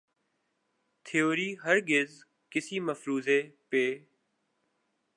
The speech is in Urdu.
تھیوری ہرگز کسی مفروضے پہ